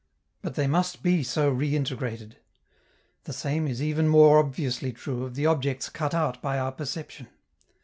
But they must be so reintegrated. The same is even more obviously true of the objects cut out by our perception.